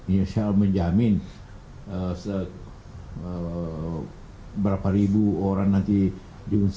ini shall menjamin beberapa ribu orang nanti diunggah